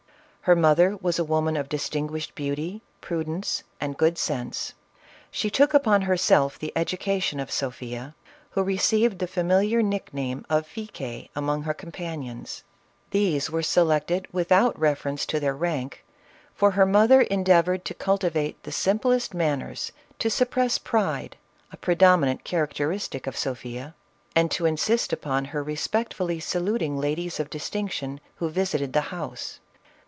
Her mother was a woman of distinguished beauty, prudence and good sense; she took upon herself the education of Sophia, who receiv ed the familiar nick name of Fie*ke among her compan 396 CATHERINE OF RUSSIA. ions. These were selected without reference to their rank, for her mother endeavored to cultivate the sim plest manners, to suppress pride, a predominant charac teristic of Sophia, and to insist upon her respectfully saluting ladies of distinction, who visited the house.